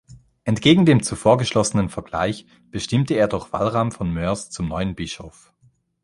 Entgegen dem zuvor geschlossenen Vergleich bestimmte er jedoch Walram von Moers zum neuen Bischof.